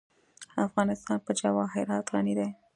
افغانستان په جواهرات غني دی.